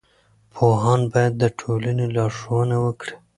پوهان باید د ټولنې لارښوونه وکړي.